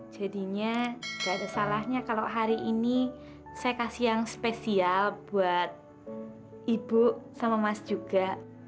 jadinya gak ada salahnya kalau hari ini saya kasih yang spesial buat ibu sama mas juga